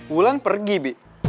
wulan pergi bi